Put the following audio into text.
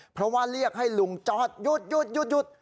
เพราะว่าเรียกให้ลุงจอดหยุด